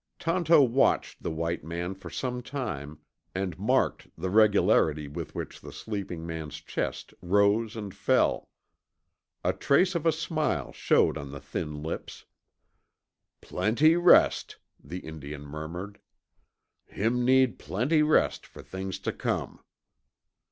Tonto watched the white man for some time and marked the regularity with which the sleeping man's chest rose and fell. A trace of a smile showed on the thin lips. "Plenty rest," the Indian murmured. "Him need plenty rest for things to come."